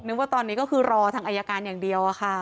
ว่าตอนนี้ก็คือรอทางอายการอย่างเดียวค่ะ